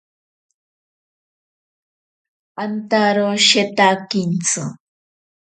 Antaro shetakintsi.